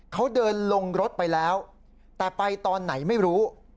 เขาเดินลงรถไปแล้วแต่ไปตอนไหนไม่รู้